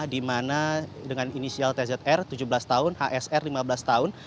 di mana dengan inisial tzr tujuh belas tahun hsr lima belas tahun